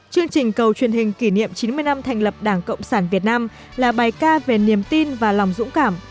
chương trình cầu truyền hình kỷ niệm chín mươi năm thành lập đảng cộng sản việt nam là bài ca về niềm tin và lòng dũng cảm